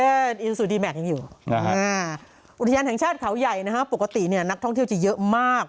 อินสุดีแมคยังอยู่อุทยานแห่งชาติเขาใหญ่ปกตินักท่องเที่ยวจะเยอะมาก